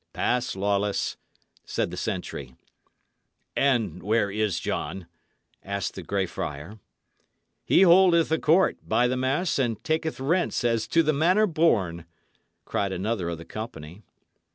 "Pass, Lawless," said the sentry. "And where is John?" asked the Grey Friar. "He holdeth a court, by the mass, and taketh rents as to the manner born!" cried another of the company.